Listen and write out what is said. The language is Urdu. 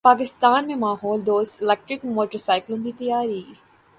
پاکستان میں ماحول دوست الیکٹرک موٹر سائیکلوں کی تیاری